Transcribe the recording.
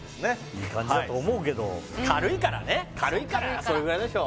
いい感じだと思うけど軽いからそれぐらいでしょ